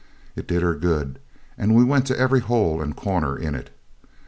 It did her good, and we went to every hole and corner in it.